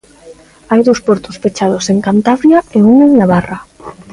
Hai dous portos pechados en Cantabria e un en Navarra.